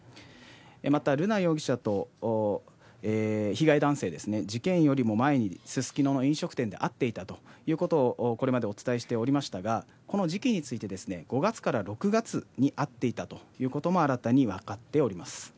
また、瑠奈容疑者と被害男性、事件よりも前にすすきのの飲食店で会っていたということを、これまでお伝えしておりましたが、この時期について、５月から６月に会っていたということも新たに分かっております。